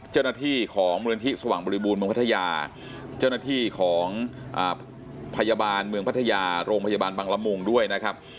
เจ้าหน้าที่ของมูลนิธิสว่างบริบูรณเมืองพัทยาเจ้าหน้าที่ของพยาบาลเมืองพัทยาโรงพยาบาลบังละมุงด้วยนะครับ